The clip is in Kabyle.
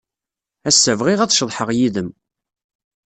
Ass-a, bɣiɣ ad ceḍḥeɣ yid-m.